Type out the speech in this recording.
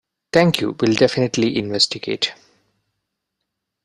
Thank you. Will definitely investigate.